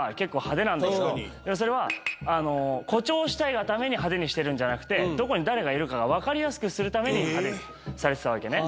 それは誇張したいがために派手にしてるんじゃなくてどこに誰がいるか分かりやすくするために派手にされてたわけね。